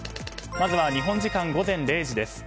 まずは、日本時間午前０時です。